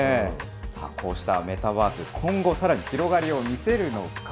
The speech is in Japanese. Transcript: こうしたメタバース、今後、さらに広がりを見せるのか。